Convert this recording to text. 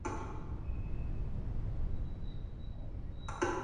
Las escaleras presentes a cada lado permitían acceder a la segunda y última planta.